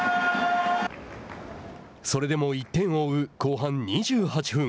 それでも１点を追う後半２８分。